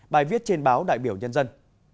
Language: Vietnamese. bài viết trên báo đại biểu nhân dân